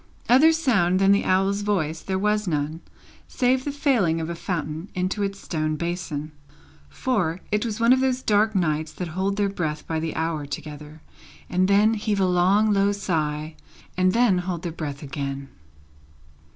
Other sound than the owl's voice there was none, save the falling of a fountain into its stone basin; for, it was one of those dark nights that hold their breath by the hour together, and then heave a long low sigh, and hold their breath again.